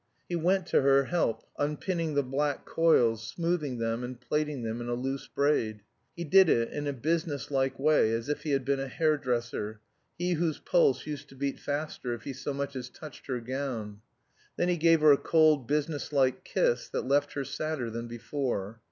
He went to her help, unpinning the black coils, smoothing them and plaiting them in a loose braid. He did it in a business like way, as if he had been a hairdresser, he whose pulse used to beat faster if he so much as touched her gown. Then he gave her a cold business like kiss that left her sadder than before.